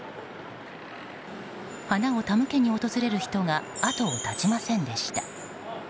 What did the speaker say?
花を手向けに訪れる人が後を絶ちませんでした。